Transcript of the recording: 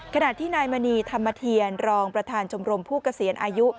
ขณะที่นายมณีธรรมเทียนรองประธานชมรมผู้เกษียณอายุ